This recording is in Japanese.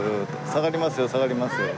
下がりますよ下がりますよ。